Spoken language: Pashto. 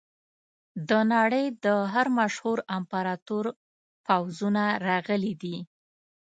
د نړۍ د هر مشهور امپراتور پوځونه راغلي دي.